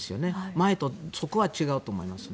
前と、そこは違うと思います。